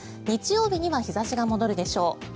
日曜日には日差しが戻るでしょう。